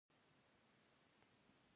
مثانه ادرار ذخیره کوي